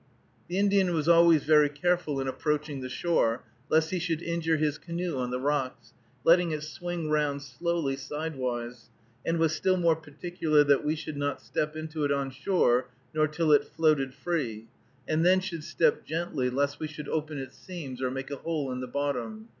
The Indian was always very careful in approaching the shore, lest he should injure his canoe on the rocks, letting it swing round slowly sidewise, and was still more particular that we should not step into it on shore, nor till it floated free, and then should step gently lest we should open its seams, or make a hole in the bottom.